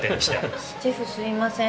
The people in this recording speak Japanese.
シェフすいません